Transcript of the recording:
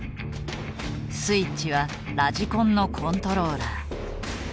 スイッチはラジコンのコントローラー。